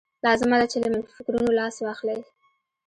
لازمه ده چې له منفي فکرونو لاس واخلئ